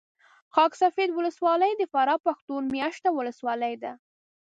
خاک سفید ولسوالي د فراه پښتون مېشته ولسوالي ده